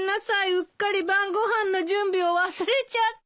うっかり晩ご飯の準備を忘れちゃって。